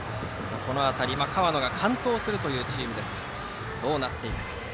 河野が完投するというチームですがこのあと、どうなっていくか。